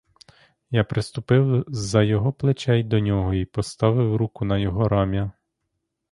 Я приступив з-за його плечей до нього й поставив руку на його рам'я.